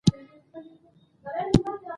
په افغانستان کې د آب وهوا لپاره طبیعي شرایط شته.